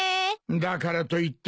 だからといっていらん